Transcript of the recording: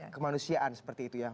kemanusiaan seperti itu ya